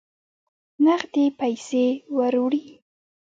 نغدي پیسې وروړي.